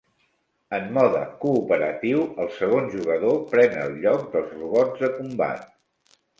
En mode cooperatiu, el segon jugador pren el lloc dels robots de combat.